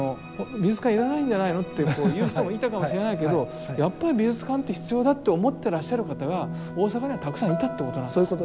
美術館要らないんじゃないのって言う人もいたかもしれないけどやっぱり美術館って必要だって思ってらっしゃる方が大阪にはたくさんいたってことなんですね。